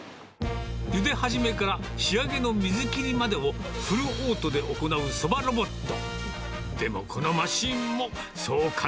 ゆで始めから仕上げの水切りまでをフルオートで行うそばロボット。